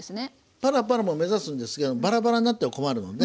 パラパラも目指すんですけどバラバラになっては困るので。